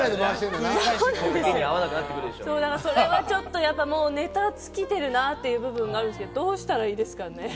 それはちょっとネタが尽きてるなっていう部分があるんですけど、どうしたらいいですかね？